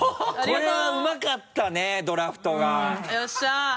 これはうまかったねドラフトが。よっしゃ！